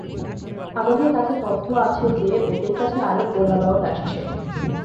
আমাদের কাছে তথ্য আছে যে ওদের কাছে আরও গোলাবারুদ আসছে।